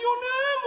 もう！